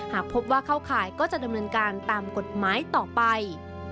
หากพบว่าเข้าข่ายก็จะดำเนินการตามกฎหมายต่อไป